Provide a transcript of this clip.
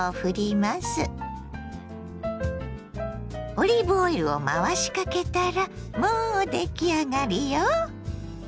オリーブオイルを回しかけたらもう出来上がりよ。